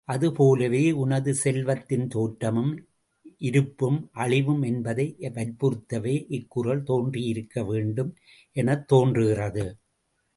அதுபோலவே உனது செல்வத்தின் தோற்றமும் இருப்பும் அழிவும் என்பதை வற்புறுத்தவே, இக் குறள் தோன்றியிருக்க வேண்டும் எனத் தோன்றுகிறது.